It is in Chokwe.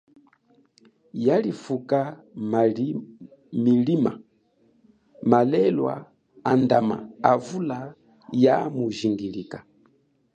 Yalifuka milima, malelwa andama avula ya mujingilika.